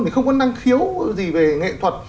mình không có năng khiếu gì về nghệ thuật